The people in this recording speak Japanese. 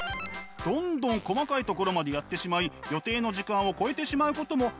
どんどん細かいところまでやってしまい予定の時間を超えてしまうこともよくあるんだとか。